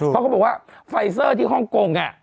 เขาก็บอกว่าไฟเซอร์ที่ห้องกง